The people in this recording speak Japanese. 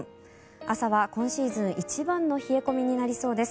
朝は今シーズン一番の冷え込みになりそうです。